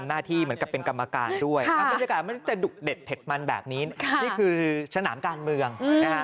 นี่คือฉนามการเมือง